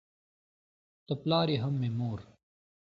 ته پلار یې هم مې مور